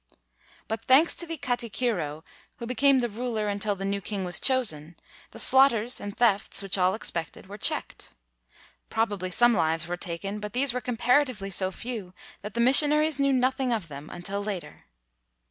But thanks to the katikiro, who became the ruler until the new king was chosen, the slaughters and thefts which all expected, were checked. Probably some lives were taken, but these were comparatively so few that the missionaries knew nothing of them until later.